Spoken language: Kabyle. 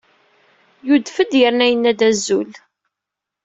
Yudef-d yerna yenna-d azul.